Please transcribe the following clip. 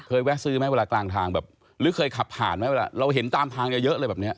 แวะซื้อไหมเวลากลางทางแบบหรือเคยขับผ่านไหมเวลาเราเห็นตามทางเยอะอะไรแบบนี้